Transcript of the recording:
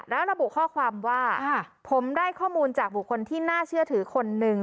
แล้วระบุข้อความว่าผมได้ข้อมูลจากบุคคลที่น่าเชื่อถือคนนึง